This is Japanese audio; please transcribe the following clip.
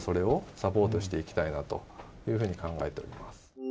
サポートしていきたいなというふうに考えております。